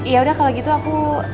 ya udah kalau gitu aku